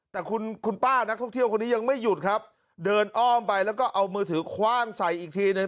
แต่คุณคุณป้านักท่องเที่ยวคนนี้ยังไม่หยุดครับเดินอ้อมไปแล้วก็เอามือถือคว่างใส่อีกทีหนึ่ง